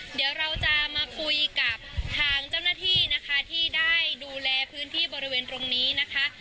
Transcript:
เดี๋ยวเราจะมาคุยกับทางเจ้าหน้าที่นะคะที่ได้ดูแลพื้นที่บริเวณตรงนี้นะคะ